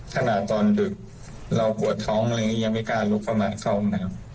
ถนาตอนดึกเรากลัวท้องเลยยังไม่กล้าลุกเข้ามาเข้าห้องน้ำ